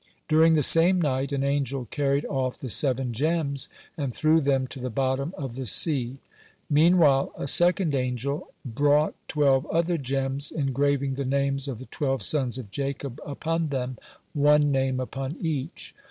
(11) During the same night an angel carried off the seven gems, and threw them to the bottom of the sea. Meanwhile a second angel brought twelve other gems, engraving the names of the twelve sons of Jacob upon them, one name upon each.